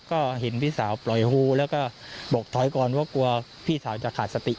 ก็เห็นพี่สาวปล่อยฮูแล้วก็บอกถอยก่อนว่ากลัวพี่สาวจะขาดสติ